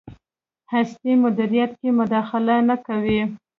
هستۍ مدیریت کې مداخله نه کوي.